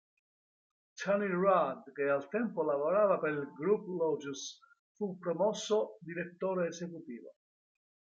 Tony Rudd, che al tempo lavorava per il Group Lotus, fu promosso direttore esecutivo.